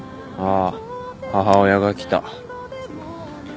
あー母親が来た。